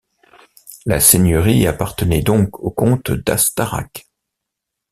La seigneurie appartenait donc aux comtes d’Astarac.